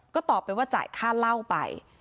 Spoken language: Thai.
ก็ตอบไปว่าจ่ายค่าเหล้าไป